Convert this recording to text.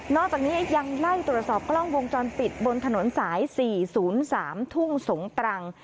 จากนี้ยังไล่ตรวจสอบกล้องวงจรปิดบนถนนสาย๔๐๓ทุ่งสงตรัง